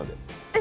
え？